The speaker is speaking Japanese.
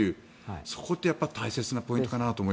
そこは大切なポイントかなと。